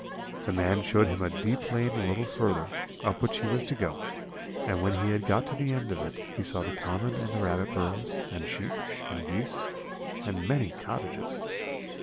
The man showed him a deep lane a little further, up which he was to go, and when he had got to the end of it, he saw the common and the rabbit burrows, and sheep, and geese, and many cottages.